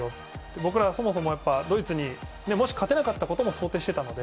僕らは、そもそもドイツにもし勝てなかったらということも想定していたので。